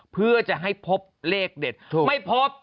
เพื่อจะให้พบเลขเด็ดไม่พบ